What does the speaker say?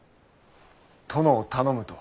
殿を頼むと。